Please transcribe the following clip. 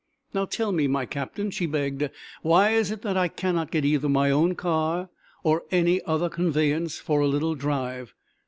"Now, tell me, my Captain," she begged, "why it is that I cannot get either my own car, or any other conveyance, for a little drive?"